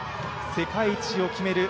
世界一を決める